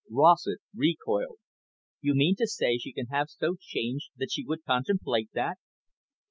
Rossett recoiled. "You mean to say she can have so changed that she would contemplate that?"